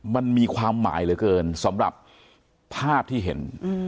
มันมีความหมายเหลือเกินสำหรับภาพที่เห็น